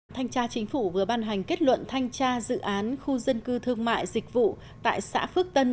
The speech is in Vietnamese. thanh tra chính phủ vừa ban hành kết luận thanh tra dự án khu dân cư thương mại dịch vụ tại xã phước tân